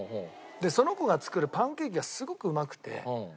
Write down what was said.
でその子が作るパンケーキがすごくうまくて。